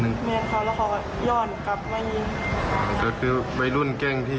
น้องลุงเนี่ยคือก็ได้ไปมีเรื่องมากูเดียว